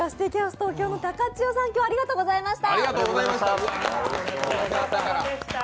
東京の高知尾さんありがとうございました。